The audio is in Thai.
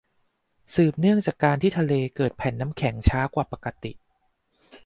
สืบเนื่องจากการที่ทะเลเกิดแผ่นน้ำแข็งช้ากว่าปกติ